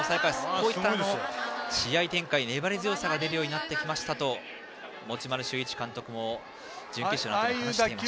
こういった試合展開、粘り強さが出るようになってきましたと持丸修一監督も準決勝のときに話していました。